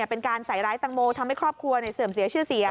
เป็นการใส่ร้ายตังโมทำให้ครอบครัวเสื่อมเสียชื่อเสีย